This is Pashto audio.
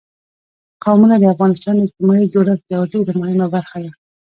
قومونه د افغانستان د اجتماعي جوړښت یوه ډېره مهمه برخه ده.